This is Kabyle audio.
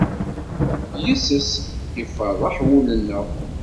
Yis-s i iferreḥ wul-nneɣ.